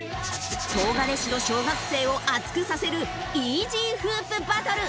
東金市の小学生を熱くさせるＥＧフープバトル。